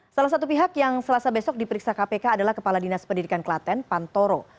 salah satu pihak yang selasa besok diperiksa kpk adalah kepala dinas pendidikan klaten pantoro